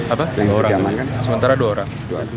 apa dua orang ini sementara dua orang